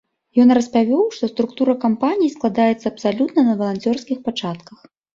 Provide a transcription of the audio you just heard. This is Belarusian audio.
Ён распавёў, што структура кампаніі складаецца абсалютна на валанцёрскіх пачатках.